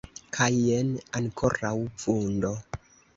Kaj, jen, ankoraŭ vundo.